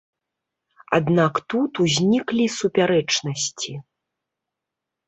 Аднак тут узніклі супярэчнасці.